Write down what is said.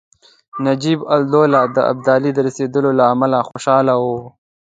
نجیب الدوله د ابدالي د رسېدلو له امله خوشاله وو.